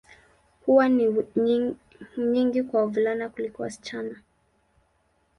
Huwa ni nyingi kwa wavulana kuliko wasichana.